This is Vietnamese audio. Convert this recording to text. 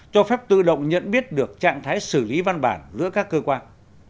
cho phép tự động nhận biết được trạng thái xử lý văn bản giữa các cơ quan